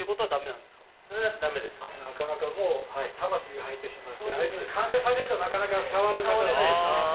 なかなかもう、魂が入ってしまって、完成されるとなかなか触れないですね。